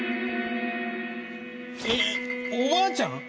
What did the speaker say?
えっおばあちゃん！？